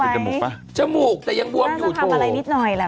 แล้วทำไมคุยกับฉันทุกวันฉันยังไม่รู้ว่าไม่ทำศักยกรรมเลย